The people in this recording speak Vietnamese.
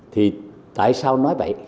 thì tại sao nói vậy